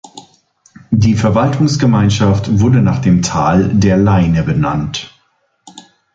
Die Verwaltungsgemeinschaft wurde nach dem Tal der Leine benannt.